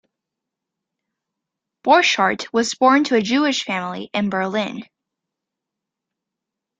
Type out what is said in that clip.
Borchardt was born to a Jewish family in Berlin.